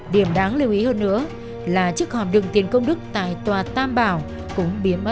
điểm đáng lưu ý hơn nữa là chức hòm đựng tiền công đức tại tòa tam bảo cũng biến mất